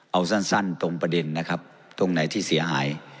เอาสั้นตรงประเด็นนะครับตรงไหนที่เสียหาย